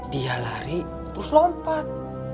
dia lari terus lompat